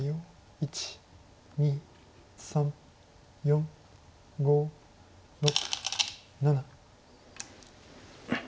１２３４５６７。